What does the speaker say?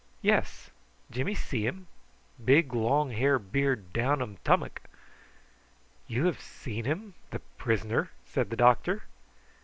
Yes, Jimmy see him. Big long hair beard down um tummuck." "You have seen him the prisoner?" said the doctor.